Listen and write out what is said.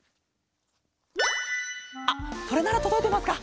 あっそれならとどいてますか？